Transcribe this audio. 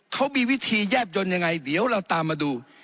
เขามีวิธีแยบยนต์ยังไงเดี๋ยวเราตามมาดู